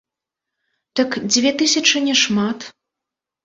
Так дзве тысячы не шмат.